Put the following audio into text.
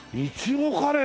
苺カレー。